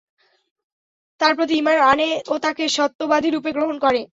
তাঁর প্রতি ঈমান আনে ও তাঁকে সত্যবাদীরূপে গ্রহণ করে।